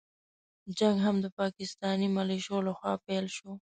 جنګ هم د پاکستاني مليشو له خوا پيل شو.